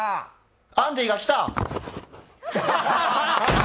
アンディが来た！